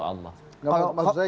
allah karena kita juga